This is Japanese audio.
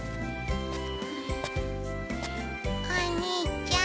お兄ちゃん。